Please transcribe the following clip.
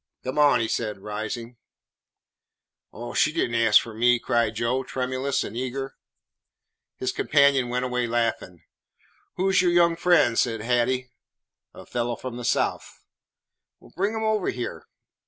"Come on," he said, rising. "Oh, she did n't ask for me," cried Joe, tremulous and eager. His companion went away laughing. "Who 's your young friend?" asked Hattie. "A fellah from the South." "Bring him over here."